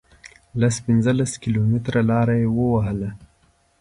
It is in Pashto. لس پنځلس کیلومتره لار یې ووهله.